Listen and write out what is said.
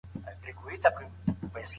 ژوند ټول تفریح نه دی.